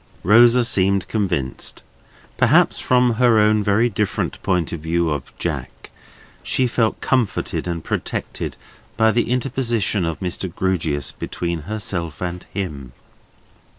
Rosa seemed convinced. Perhaps from her own very different point of view of "Jack," she felt comforted and protected by the interposition of Mr. Grewgious between herself and him.